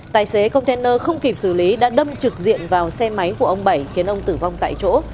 tài xế container không kịp xử lý đã đâm trực diện vào xe máy của ông bảy khiến ông tử vong tại chỗ